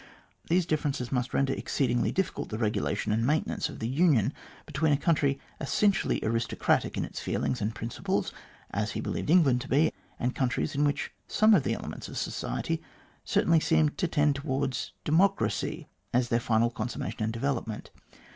These differences must render exceedingly difficult the regulation and the main tenance of the union between a country essentially aristo cratic in its feelings and principles, as he believed England to be, and countries in which some of the elements of society certainly seemed to tend towards democracy as their final consummation and development.